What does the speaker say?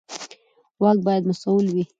واک باید مسوول وي